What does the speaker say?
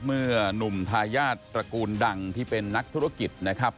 หนุ่มทายาทตระกูลดังที่เป็นนักธุรกิจนะครับ